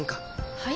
はい？